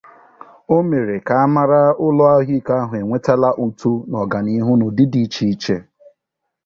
O mere ka a mara ụlọ ahụike ahụ enwetela uto na ọganihu n'ụdị dị icheiche